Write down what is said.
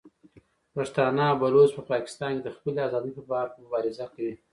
پښتانه او بلوڅ په پاکستان کې د خپلې ازادۍ په پار مبارزه کوي.